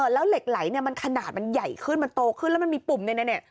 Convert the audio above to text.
แล้วเหล็กไหลเนี่ยมันขนาดมันใหญ่ขึ้นมันโตขึ้นแล้วมันมีปุ่มเนี่ย